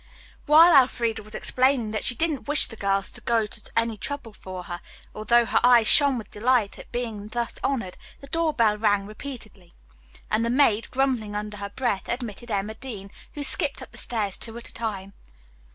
While Elfreda was explaining that she didn't wish the girls to go to any trouble for her, although her eyes shone with delight at being thus honored, the door bell rang repeatedly, and the maid, grumbling under her breath, admitted Emma Dean, who skipped up the stairs two at a time.